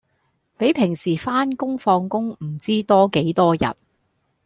比平時番工放工唔知多幾多人